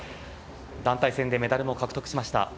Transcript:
団体戦でメダルも獲得しました。